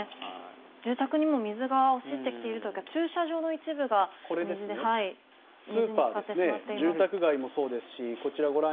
住宅にも水が押し寄せてきていたり駐車場の一部が水に浸かってしまっています。